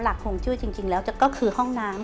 หลักห่วงชื่อจริงแล้วก็คือห้องน้ำ